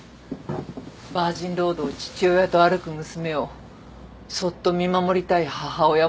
バージンロードを父親と歩く娘をそっと見守りたい母親も多いのよ。